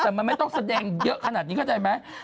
แต่มันไม่ต้องแสดงเยอะขนาดนี้เข้าใจไหม